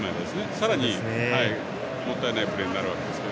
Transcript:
さらにもったいないプレーになるわけです。